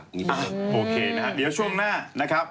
โอเคนะฮะเดี๋ยวช่วงหน้านะครับ